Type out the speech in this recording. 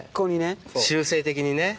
習性的にね。